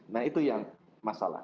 nah itu yang masalah